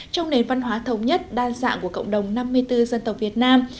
trong nền văn hóa thống nhất đa dạng của cộng đồng năm mươi bốn dân tộc việt nam